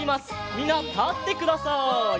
みんなたってください。